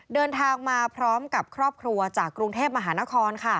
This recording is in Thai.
เดินทางมาพร้อมกับครอบครัวจากกรุงเทพมหานคร